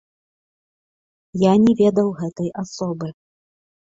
Я не ведаў гэтай асобы.